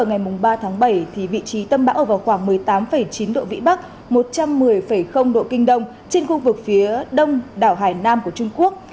ngày ba tháng bảy vị trí tâm bão ở vào khoảng một mươi tám chín độ vĩ bắc một trăm một mươi độ kinh đông trên khu vực phía đông đảo hải nam của trung quốc